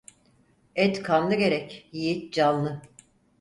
Et kanlı gerek, yiğit canlı.